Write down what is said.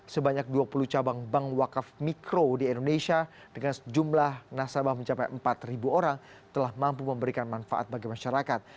sebanyak dua puluh cabang bank wakaf mikro di indonesia dengan jumlah nasabah mencapai empat orang telah mampu memberikan manfaat bagi masyarakat